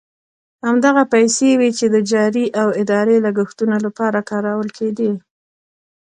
همدغه پیسې وې چې د جاري او اداري لګښتونو لپاره کارول کېدې.